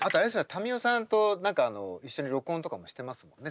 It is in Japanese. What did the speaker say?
民生さんと何かあの一緒に録音とかもしてますもんね